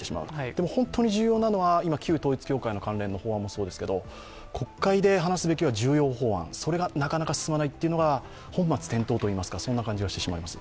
でも本当に重要なのは旧統一教会関連の法案もそうですけど国会で話すべきは重要法案それがなかなか進まないというのが本末転倒といいますか、そんな感じがしてしまいます。